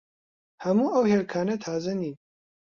هەموو ئەو هێلکانە تازە نین.